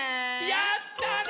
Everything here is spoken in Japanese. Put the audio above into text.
やったね！